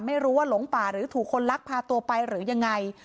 ไม่รู้ว่าหลงป่าหรือถูกคนลักพาตัวไปหรือยังไง